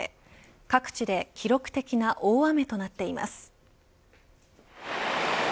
各地で記録的な大雨となっています。